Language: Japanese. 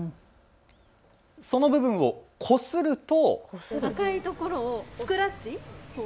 その部分をこすると。